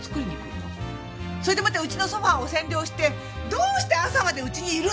それでもってうちのソファを占領してどうして朝までうちにいるの？